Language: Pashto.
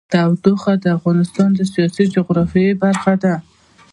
تودوخه د افغانستان د سیاسي جغرافیه برخه ده.